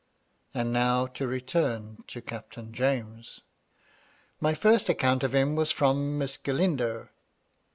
And now to return to Captain James. My first account of him was from Miss Galindo.